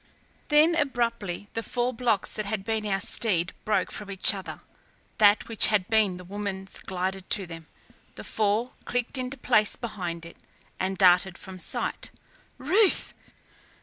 Then abruptly the four blocks that had been our steed broke from each other; that which had been the woman's glided to them. The four clicked into place behind it and darted from sight. "Ruth!"